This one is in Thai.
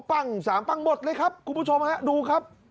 ๒ปั้ง๓ปั้งหมดเลยครับคุณผู้ชมครับดูครับ